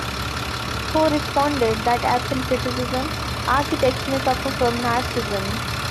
Ho responded that absent criticism, architects may suffer from "narcissism".